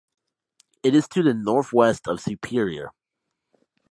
It is to the northwest of Superior.